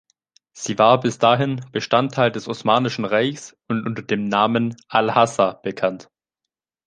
Sie war bis dahin Bestandteil des Osmanischen Reichs und unter dem Namen al-Hasa bekannt.